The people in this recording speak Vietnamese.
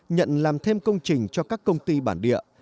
nhận làm thêm công trình cho các công ty bản địa